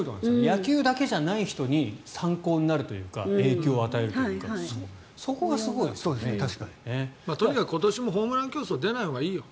野球だけじゃない人に参考になるというか影響を与えるというかとにかく今年もホームラン競争出ないほうがいいよ。